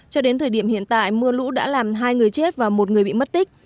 cho đến thời điểm hiện tại mưa lũ đã làm hai người chết và một người bị mất tích